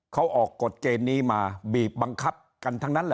เขาออกกฎเกณฑ์นี้มาบีบบังคับกันทั้งนั้นแหละ